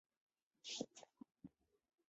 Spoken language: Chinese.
美国纳粹党成为洛克威尔的组织接班人。